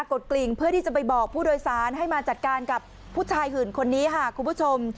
ดกลิ่งเพื่อที่จะไปบอกผู้โดยสารให้มาจัดการกับผู้ชายหื่นคนนี้ค่ะคุณผู้ชม